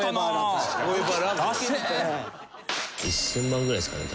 １０００万ぐらいですかね